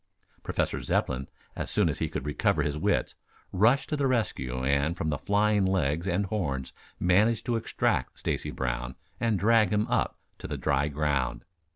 Professor Zepplin as soon as he could recover his wits, rushed to the rescue and from the flying legs and horns managed to extract Stacy Brown and drag him up to the dry ground.